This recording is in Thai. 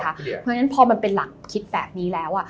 เพราะฉะนั้นพอมันเป็นหลักคิดแบบนี้แล้ว